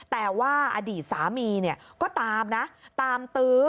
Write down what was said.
แต่ว่าอดีตสามีเนี่ยก็ตามนะตามตื้อ